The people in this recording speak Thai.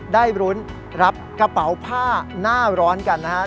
รุ้นรับกระเป๋าผ้าหน้าร้อนกันนะครับ